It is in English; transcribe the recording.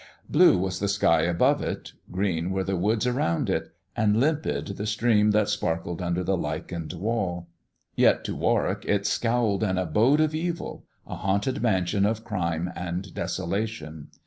Blue was the sky above it, green were the woods around it, and limpid the stream that sparkled under the lichened wall; yet to Warwick it scowled an abode of evil, a haunted mansion of crime and desolation.